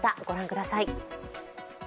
ご覧ください。